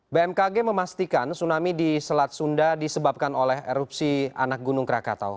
bmkg memastikan tsunami di selat sunda disebabkan oleh erupsi anak gunung krakatau